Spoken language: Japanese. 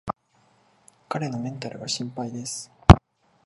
彼のメンタルが心配です